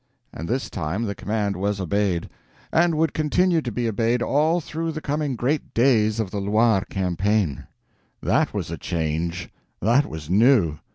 And this time the command was obeyed; and would continue to be obeyed all through the coming great days of the Loire campaign. That was a change! That was new!